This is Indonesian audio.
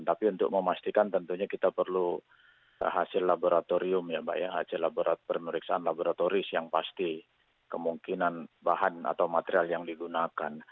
tapi untuk memastikan tentunya kita perlu hasil laboratorium ya mbak ya hasil pemeriksaan laboratoris yang pasti kemungkinan bahan atau material yang digunakan